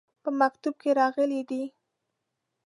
په مکتوب کې راغلي دي.